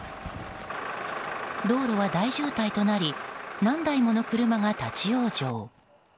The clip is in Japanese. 道路は大渋滞となり何台もの車が立ち往生。